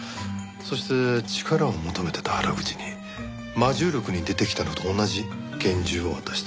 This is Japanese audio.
そして力を求めてた原口に『魔銃録』に出てきたのと同じ拳銃を渡した。